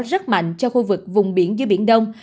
rất mạnh cho khu vực vùng biển giữa biển đông